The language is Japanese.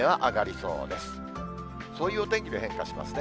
そういうお天気で変化しますね。